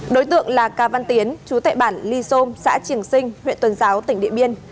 đối tượng là ca văn tiến chú tại bản ly sôm xã triềng sinh huyện tuần giáo tỉnh điện biên